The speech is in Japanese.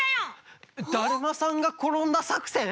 だるまさんがころんださくせん？